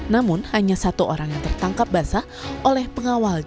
namun hanya satu orang yang tertangkap basah oleh pengawal